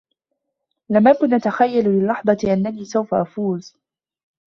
لم أكن أتخيل للحظة أنني سوف أفوز.